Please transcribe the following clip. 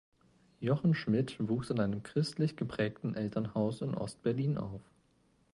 Jochen Schmidt wuchs in einem christlich geprägten Elternhaus in Ost-Berlin auf.